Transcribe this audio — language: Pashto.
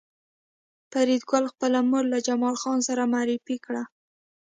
فریدګل خپله مور له جمال خان سره معرفي کړه